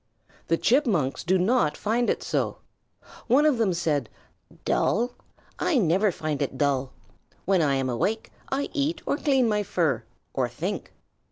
The Chipmunks do not find it so. One of them said: "Dull? I never find it dull. When I am awake, I eat or clean my fur or think.